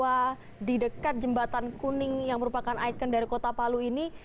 dan kita ketahui bersama bahwa di dekat jembatan kuning yang merupakan ikon dari kota palu ini